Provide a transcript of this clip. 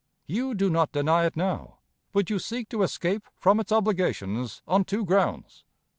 You do not deny it now, but you seek to escape from its obligations on two grounds: 1.